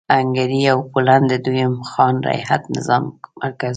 هنګري او پولنډ د دویم خان رعیت نظام مرکز و.